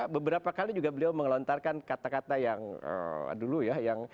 beberapa kali juga beliau mengelontarkan kata kata yang dulu ya